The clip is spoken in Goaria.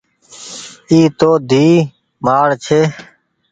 اي تو ڌيئي مآڙ ڇي۔